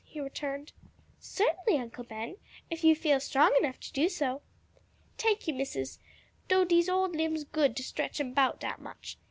he returned. "Certainly, Uncle Ben, if you feel strong enough to do so." "Tank you, Missus; do dese ole limbs good to stretch 'em 'bout dat much.